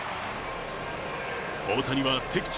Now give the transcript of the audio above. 大谷は敵地